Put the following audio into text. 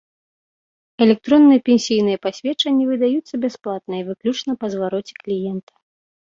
Электронныя пенсійныя пасведчанні выдаюцца бясплатна і выключна па звароце кліента.